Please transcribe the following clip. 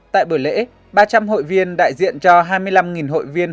tại buổi lễ ba trăm linh hội viên đại diện cho hai mươi năm hội viên hội chiến sĩ thành cổ quảng trị